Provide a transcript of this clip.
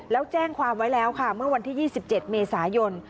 แล้วแจ้งความไว้แล้วค่ะเมื่อวันที่๒๗เมษายน